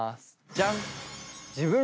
ジャン！